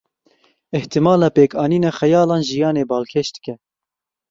Îhtimala pêkanîna xeyalan, jiyanê balkêş dike.